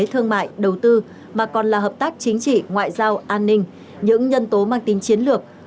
thương mại đầu tư mà còn là hợp tác chính trị ngoại giao an ninh những nhân tố mang tính chiến lược